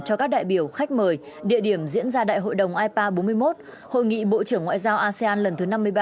cho các đại biểu khách mời địa điểm diễn ra đại hội đồng ipa bốn mươi một hội nghị bộ trưởng ngoại giao asean lần thứ năm mươi ba